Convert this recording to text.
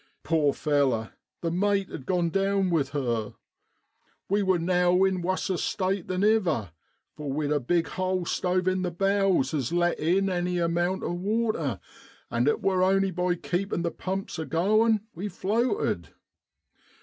Poor fellar ! the mate had gone down with her. We wor now in wusser state than iver: for we'd a big hole stove in the bows as let in any amount o' water, and it wor only by keep in' the pumps agoin' we floated.